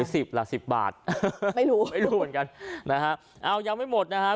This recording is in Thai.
สิบละสิบบาทเออไม่รู้ไม่รู้เหมือนกันนะฮะเอายังไม่หมดนะฮะ